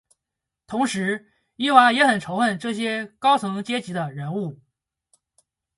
同时伊娃也很仇恨这些高层阶级的人物。